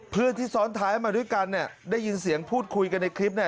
เพื่อนที่ซ้อนท้ายมาด้วยกันเนี่ยได้ยินเสียงพูดคุยกันในคลิปเนี่ย